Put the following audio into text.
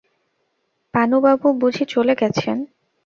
পানুবাবু বুঝি চলে গেছেন?